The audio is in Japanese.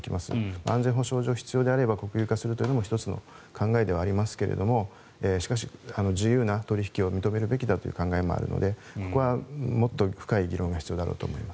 安全保障上、必要であれば国有化することも１つの考えではありますがしかし、自由な取引を認めるべきだという考えもあるのでここはもっと深い議論が必要だろうと思います。